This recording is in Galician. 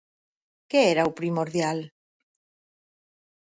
Que era o primordial?